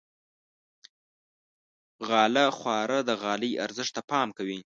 غاله خواره د غالۍ ارزښت ته پام کوي.